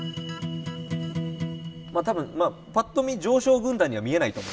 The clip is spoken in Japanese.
まあ多分ぱっと見常勝軍団には見えないと思うんで。